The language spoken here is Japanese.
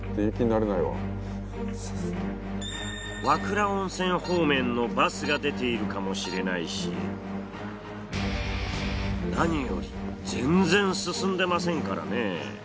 和倉温泉方面のバスが出ているかもしれないし何より全然進んでませんからね。